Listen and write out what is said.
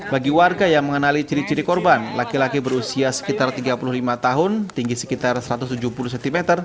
bagi warga yang mengenali ciri ciri korban laki laki berusia sekitar tiga puluh lima tahun tinggi sekitar satu ratus tujuh puluh cm